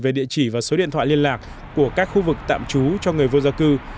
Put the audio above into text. về địa chỉ và số điện thoại liên lạc của các khu vực tạm trú cho người vô gia cư